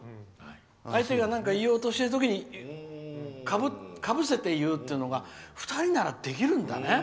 相手が何か言おうとしてる時にかぶせて言うっていうのが２人ならできるんだね。